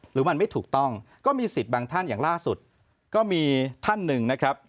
หรือมันไม่ถูกต้องก็มีสิทธิ์บางท่านอย่างล่าสุดก็มีท่านหนึ่งนะครับ